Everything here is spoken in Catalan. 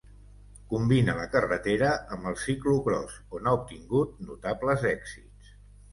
Combina la carretera amb el ciclocròs on ha obtingut notables èxits.